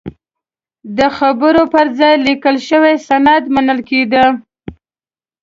د خبرو پر ځای لیکل شوی سند منل کېده.